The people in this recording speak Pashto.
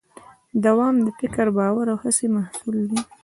دوام د فکر، باور او هڅې محصول دی.